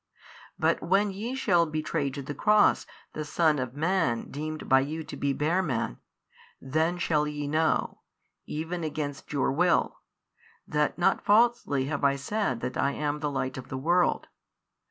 But when ye shall betray to the Cross the Son of Man deemed by you to be bare man, then shall ye know, even against your will, that not falsely have I said that I am the Light of the world.